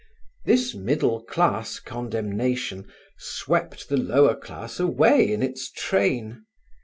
This middle class condemnation swept the lower class away in its train.